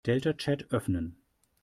Deltachat öffnen.